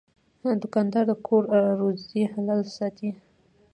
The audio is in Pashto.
دوکاندار د کور روزي حلاله ساتي.